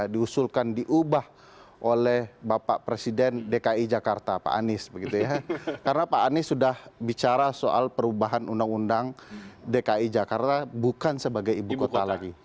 jadi ada perubahan undang undang yang diubah oleh bapak presiden dki jakarta pak anies karena pak anies sudah bicara soal perubahan undang undang dki jakarta bukan sebagai ibu kota lagi